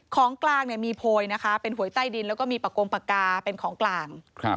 ของกลางมีโพยนะคะเป็นหวยใต้ดินแล้วก็มีปากกงปากกาเป็นของกลาง